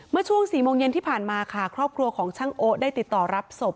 เมื่อช่วง๔โมงเย็นที่ผ่านมาค่ะครอบครัวของช่างโอ๊ะได้ติดต่อรับศพ